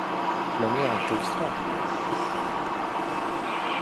La mer était extraordinaire.